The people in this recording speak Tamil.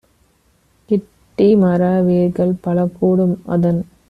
கிட்டிமர வேர்கள்பல கூடும் - அதன்